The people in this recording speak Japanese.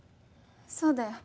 そうだよ。